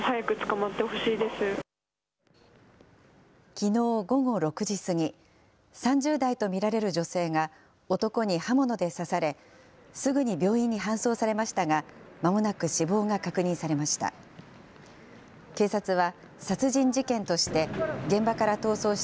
きのう午後６時過ぎ、３０代と見られる女性が、男に刃物で刺され、すぐに病院に搬送されましたが、まもなく死亡が確認されました。